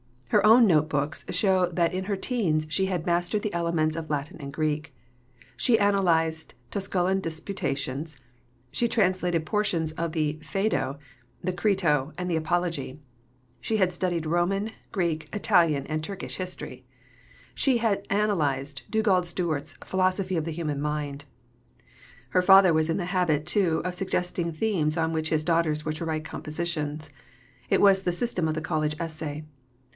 Her own note books show that in her teens she had mastered the elements of Latin and Greek. She analysed the Tusculan Disputations. She translated portions of the Phaedo, the Crito and the Apology. She had studied Roman, German, Italian, and Turkish history. She had analysed Dugald Stewart's Philosophy of the Human Mind. Her father was in the habit, too, of suggesting themes on which his daughters were to write compositions. It was the system of the College Essay.